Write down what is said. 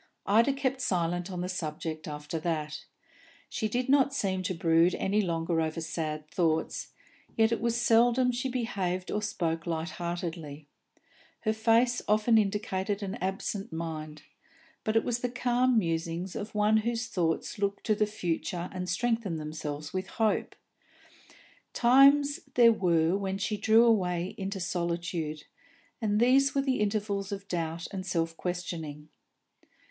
Ida kept silence on the subject after that. She did not seem to brood any longer over sad thoughts, yet it was seldom she behaved or spoke light heartedly; her face often indicated an absent mind, but it was the calm musing of one whose thoughts look to the future and strengthen themselves with hope. Times there were when she drew away into solitude, and these were the intervals of doubt and self questioning.